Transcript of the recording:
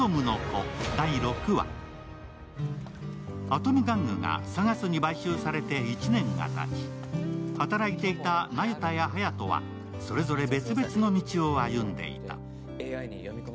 アトム玩具がＳＡＧＡＳに買収されて１年がたち働いていた那由他や隼人はそれぞれ別々の道を歩んでいた。